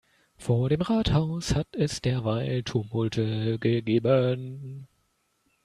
Vor dem Rathaus hat es derweil Tumulte gegeben.